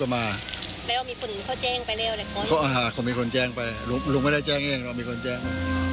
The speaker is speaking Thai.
เอ้าผมมีคนแจ้งไปรุ่งไม่ได้แจ้งเองมีคนแจ้ง